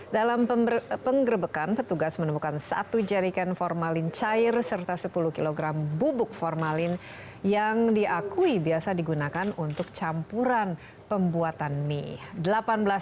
dalam penggerbekan petugas menemukan satu jerikan formalin cair serta sepuluh kg bubuk formalin yang diakui biasa digunakan untuk campuran pembuatan mie